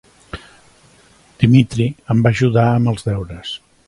Dmitry em va ajudar amb els deures.